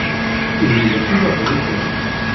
Ihi mačči weḥd-i kan.